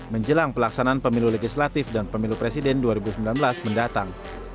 menjelang pelaksanaan pemilu legislatif dan pemilu presiden dua ribu sembilan belas mendatang